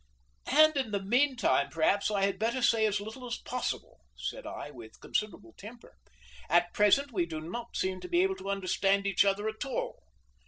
"And in the meantime, perhaps, I had better say as little as possible," said I, with considerable temper. "At present we do not seem able to understand each other at all."